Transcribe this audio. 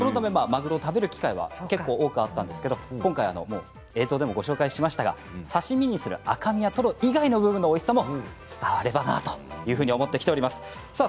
マグロを食べる機会は結構多かったんですが今回、映像でもご紹介しましたが刺身にする、赤身やトロ以外の部分のおいしさも伝わればなと思っています。